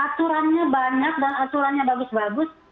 aturannya banyak dan aturannya bagus bagus